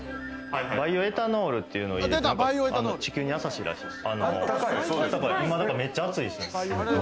バイオエタノールっていうので、地球にやさしいらしいです。